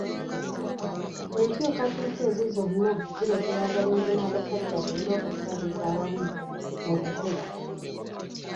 Enkyukakyuka ezo zonna zireetera abalenzi n'abasajja bonna okutwalizaamu okukula.